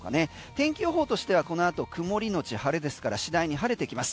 天気予報としてはこの後、曇りのち晴れですから次第に晴れてきます。